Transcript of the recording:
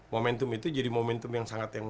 momentum itu jadi momentum yang sangat yang